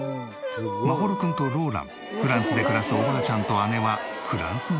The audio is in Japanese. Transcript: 眞秀君とローランフランスで暮らすおばあちゃんと姉はフランス語で会話。